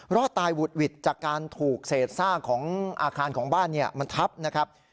รอดตายหวุดหวิดจากการถูกเศษซากของอาคารของบ้านมันทับนะครับ